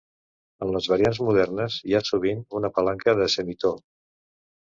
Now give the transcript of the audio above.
En les variants modernes, hi ha sovint una palanca de semitò.